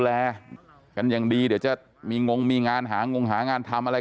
กันอย่างดีเดี๋ยวจะมีงงมีงานหางงหางานทำอะไร